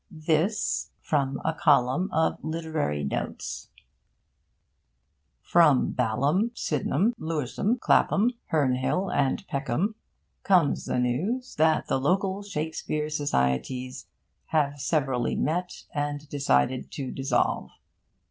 This from a column of Literary Notes: From Baiham, Sydenham, Lewisham, Clapham, Herne Hill and Peckham comes news that the local Shakespeare Societies have severally met and decided to dissolve.